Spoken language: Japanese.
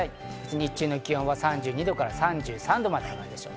日中の気温は３２度から３３度まで上がるでしょう。